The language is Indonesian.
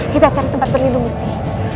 kita cari tempat berlindung mesti